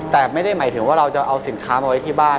แต่ไม่ได้หมายถึงว่าเราจะเอาสินค้ามาไว้ที่บ้าน